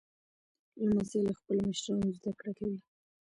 لمسی له خپلو مشرانو زدهکړه کوي.